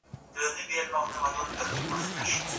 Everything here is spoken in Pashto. کېدای سي ځینې کسان د قافیې په اهمیت پوه نسي.